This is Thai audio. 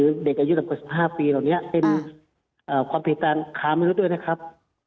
เด็กอายุต่ำกว่า๑๕ปีเหล่านี้เป็นความผิดการค้ามนุษย์ด้วยนะครับ